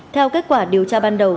theo kết quả điều tra ban đầu